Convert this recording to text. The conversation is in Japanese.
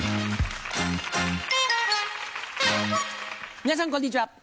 皆さんこんにちは。